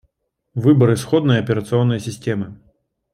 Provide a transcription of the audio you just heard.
Выбор исходной операционной системы